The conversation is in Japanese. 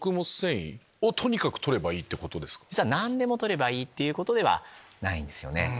何でも取ればいいってことではないんですよね。